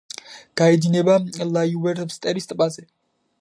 გაედინება ლაიუვერსმერის ტბაზე.